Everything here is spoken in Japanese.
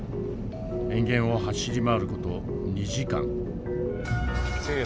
塩原を走り回る事２時間。